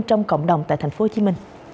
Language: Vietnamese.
trong cộng đồng tại tp hcm